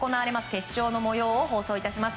決勝の模様を放送いたします。